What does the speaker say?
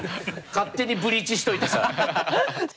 勝手にブリーチしといてさ。